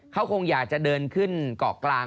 เขาคงอยากจะเดินขึ้นเกาะกลาง